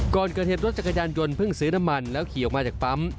ก่อนเกิดเหตุรถจักรยานยนต์เพิ่งซื้อน้ำมันแล้วขี่ออกมาจากปั๊ม